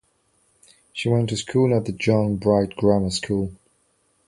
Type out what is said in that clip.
She went to school at the John Bright Grammar School.